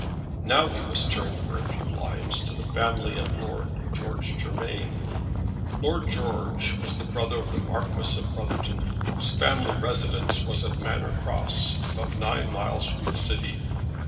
Now we must turn for a few lines to the family of Lord George Germain. Lord George was the brother of the Marquis of Brotherton, whose family residence was at Manor Cross, about nine miles from the city.